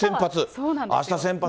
あした先発。